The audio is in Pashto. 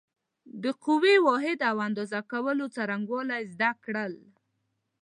د قوې واحد او اندازه کولو څرنګوالی زده کړل.